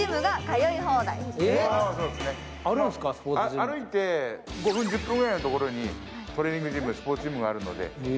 歩いて５分、１０分ぐらいのところにトレーニングジム、スポーツジムがあるんで。